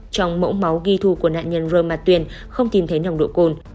trong mẫu máu ghi thu của nạn nhân roma t không tìm thấy nồng độ cồn